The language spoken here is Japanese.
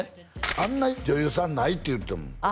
「あんな女優さんない」って言ってたもんあ